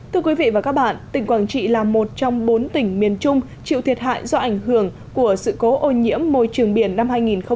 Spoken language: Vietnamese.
thưa quý vị và các bạn tỉnh quảng trị là một trong bốn tỉnh miền trung chịu thiệt hại do ảnh hưởng của sự cố ô nhiễm môi trường biển năm hai nghìn một mươi chín